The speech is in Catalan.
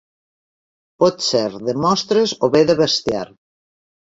Pot ser de mostres o bé de bestiar.